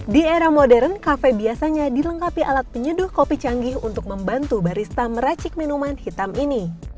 di era modern kafe biasanya dilengkapi alat penyeduh kopi canggih untuk membantu barista meracik minuman hitam ini